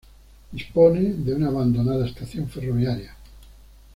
Dispone de una abandonada estación ferroviaria.